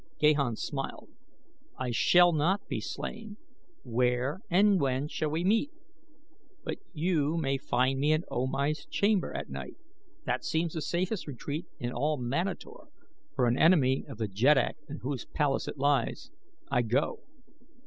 Gahan smiled. "I shall not be slain. Where and when shall we meet? But you may find me in O Mai's chamber at night. That seems the safest retreat in all Manator for an enemy of the jeddak in whose palace it lies. I go!"